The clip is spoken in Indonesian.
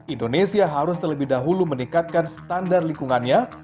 indonesia harus terlebih dahulu meningkatkan standar lingkungannya